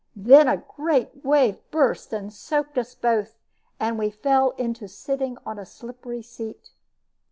Then a great wave burst and soaked us both, and we fell into sitting on a slippery seat.